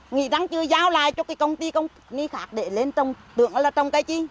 nghĩ rằng chưa giao lại cho cái công ty công ty khác để lên trong tượng là trong cái gì